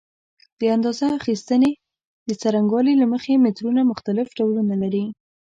د اندازه اخیستنې د څرنګوالي له مخې مترونه مختلف ډولونه لري.